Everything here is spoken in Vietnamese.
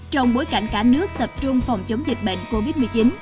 trong bối cảnh cả nước tập trung phòng chống dịch bệnh covid một mươi chín